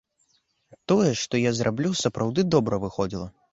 Тое, што я зраблю, сапраўды добра выходзіла.